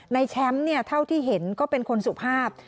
ในแชมป์เท่าที่เห็นก็เป็นคนสุภาพ